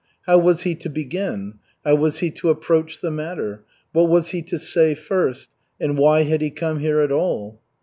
How was he to begin? How was he to approach the matter? What was he to say first? And why had he come here at all?